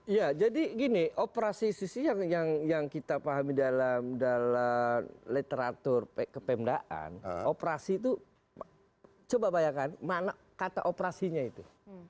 ya jadi gini operasi justisi yang kita pahami dalam literatur kepemdaan operasi itu coba bayangkan mana kata operasinya itu